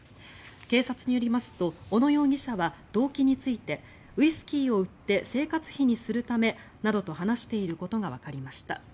警察によりますと小野容疑者は動機についてウイスキーを売って生活費にするためなどと話していることがわかりました。